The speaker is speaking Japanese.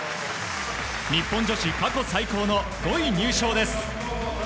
日本女子過去最高の５位入賞です。